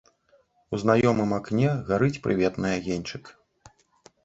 У знаёмым акне гарыць прыветны агеньчык.